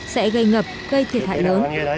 sẽ gây ngập gây thiệt hại lớn